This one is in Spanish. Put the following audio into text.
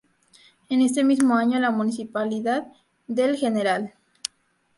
En este mismo año la Municipalidad de Gral.